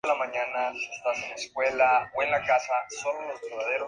El ritual de enterramiento es la inhumación de carácter colectivo.